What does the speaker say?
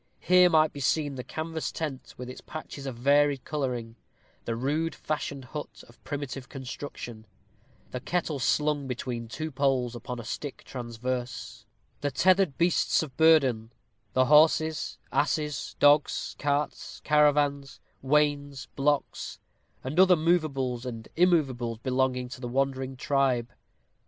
Here might be seen the canvas tent with its patches of varied coloring; the rude fashioned hut of primitive construction; the kettle slung Between two poles, upon a stick transverse; the tethered beasts of burden, the horses, asses, dogs, carts, caravans, wains, blocks, and other movables and immovables belonging to the wandering tribe.